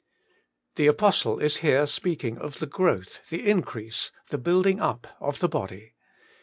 THE Apostle is here speaking of the growth, the increase, the building up of the body.